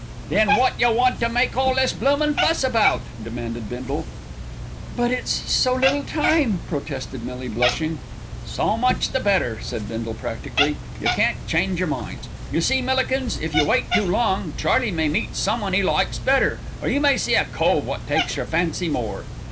"Then wot d'you want to make all this bloomin' fuss about?" demanded Bindle. "But but it's so little time," protested Millie, blushing. "So much the better," said Bindle practically. "You can't change your minds. You see, Millikins, if you wait too long, Charlie may meet someone 'e likes better, or you may see a cove wot takes your fancy more."